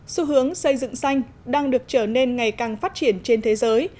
xu hướng xây dựng xanh đang được trở nên ngày càng phát triển trên thế giới